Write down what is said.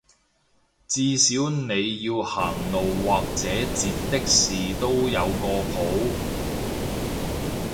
至少你要行路或者截的士都有個譜